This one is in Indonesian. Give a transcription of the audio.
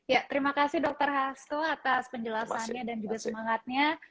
ya terima kasih dokter hasto atas penjelasannya dan juga semangatnya